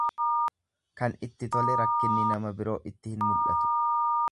Kan itti tole rakkinni nama biroo itti hin mul'atu.